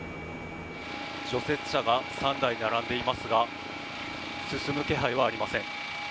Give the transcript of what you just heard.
除雪車が３台並んでいますが進む気配はありません。